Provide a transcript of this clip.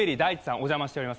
お邪魔しております。